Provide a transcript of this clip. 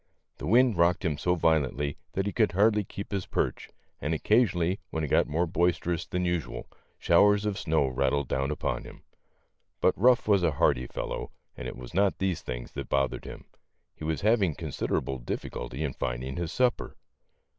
The wind rocked him so violently that he could hardly keep his perch, and occasionally when it got more bois terous than usual, showers of snow rattled down upon him. But Ruff was a hardy fellow and it was not these things that bothered him ; he was having considerable difficulty in finding his sup per.